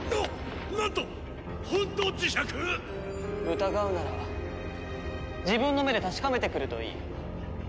疑うなら自分の目で確かめてくるといい。